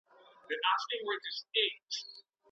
آیا بزګران خپل انځر په لمر کي وچوي؟.